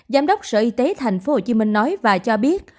giám đốc sở y tế thành phố hồ chí minh nói và cho biết